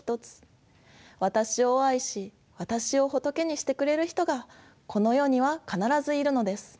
私を愛し私を仏にしてくれる人がこの世には必ずいるのです。